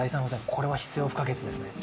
これは必要不可欠ですね。